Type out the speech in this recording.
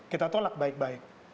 kita tolak baik baik